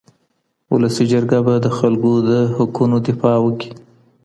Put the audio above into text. ولسي جرګه به د خلګو د حقونو دفاع وکړي.